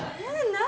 何？